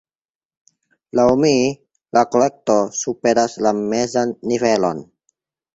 Laŭ mi, la kolekto superas la mezan nivelon.